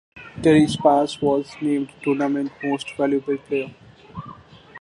Terry Spires was named Tournament Most Valuable Player.